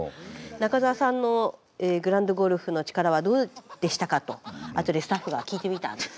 「中澤さんのグラウンド・ゴルフの力はどうでしたか？」とあとでスタッフが聞いてみたんです。